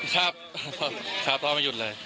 ครับครับรอไม่หยุดเลย